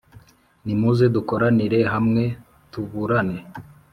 Nimuze dukoranire hamwe, tuburane!